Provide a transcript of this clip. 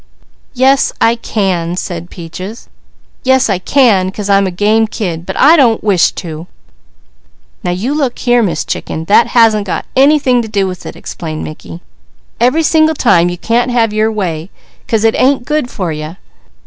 "Yes I can," said Peaches. "Yes I can, 'cause I'm a game kid; but I don't wish to!" "Now you look here, Miss Chicken, that hasn't got anything to do with it," explained Mickey. "Every single time you can't have your way, 'cause it ain't good for you.